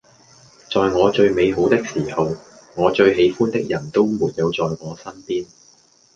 在我最美好的時候，我最喜歡的人都沒有在我身邊